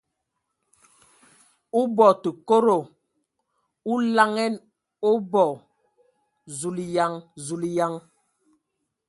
O bɔ tǝ kodo ! O laŋanǝ o boo !... Zulayan ! Zulǝyan!